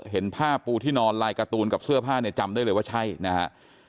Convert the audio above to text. หันภาพปูที่นอนไลค์การ์ตูนกับเสื้อผ้าจำได้เลยว่าใช่นะฮะ